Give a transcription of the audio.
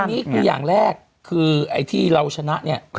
อันนี้คืออย่างแรกคือไอ้ที่เราชนะเนี่ย